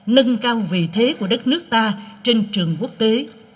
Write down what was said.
nâng cao vị thế của đất nước ta trên trường quốc tế